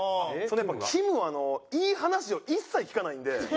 やっぱきむはいい話を一切聞かないんで。